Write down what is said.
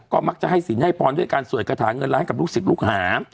ก็มักจะให้สินให้พรด้วยการสวดกระถาเงินล้านกับลูกศิษย์ลูกหา